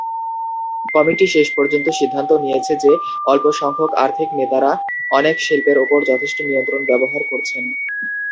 Committee শেষ পর্যন্ত সিদ্ধান্ত নিয়েছে যে স্বল্প সংখ্যক আর্থিক নেতারা অনেক শিল্পের উপর যথেষ্ট নিয়ন্ত্রণ ব্যবহার করছেন।